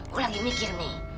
gua lagi mikir nih